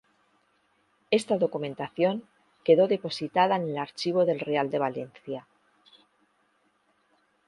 Esta documentación quedó depositada en el Archivo del Real de Valencia.